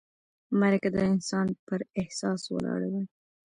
مرکه د انسان پر احساس ولاړه وي.